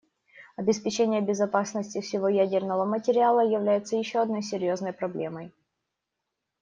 Обеспечение безопасности всего ядерного материала является еще одной серьезной проблемой.